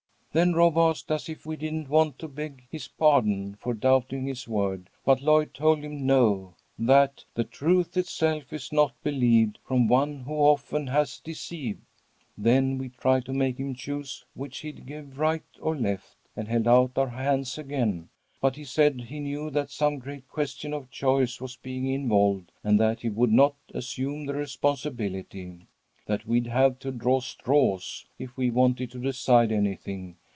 "Then Rob asked us if we didn't want to beg his pardon for doubting his word, but Lloyd told him no, that "'The truth itself is not believed From one who often has deceived.' "Then we tried to make him choose which he'd have, right or left, and held out our hands again, but he said he knew that some great question of choice was being involved, and that he would not assume the responsibility. That we'd have to draw straws, if we wanted to decide anything.